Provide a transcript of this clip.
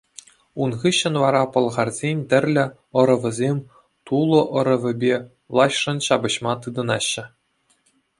Ун хыҫҫӑн вара пӑлхарсен тӗрлӗ ӑрӑвӗсем Тулӑ ӑрӑвӗпе влаҫшӑн ҫапӑҫма тытӑнаҫҫӗ.